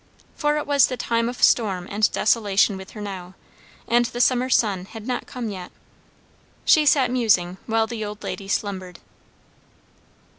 For it was the time of storm and desolation with her now, and the summer sun had not come yet. She sat musing while the old lady slumbered.